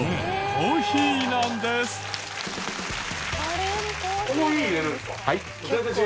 コーヒー入れるんですか？